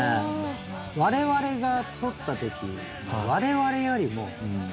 われわれが取ったときわれわれよりも。